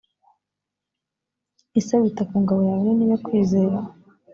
ese wita ku ngabo yawe nini yo kwizera